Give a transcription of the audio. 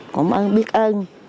cổng ơn biết ơn